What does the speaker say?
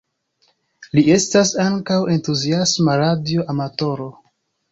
Li estas ankaŭ entuziasma radio amatoro.